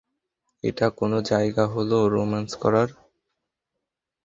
এটা কোন জায়গা হলো রোম্যান্স করার?